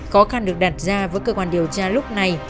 khó khăn được đặt ra với cơ quan điều tra lúc này